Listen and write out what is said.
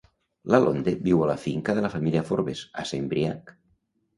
Lalonde viu a la finca de la família Forbes, a Saint-Briac.